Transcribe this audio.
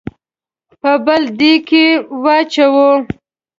په بل دېګ کې واچوو.